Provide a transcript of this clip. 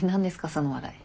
その笑い。